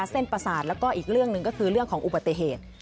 ประสาทแล้วก็อีกเรื่องหนึ่งก็คือเรื่องของอุบัติเหตุ